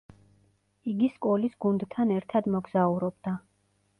იგი სკოლის გუნდთან ერთად მოგზაურობდა.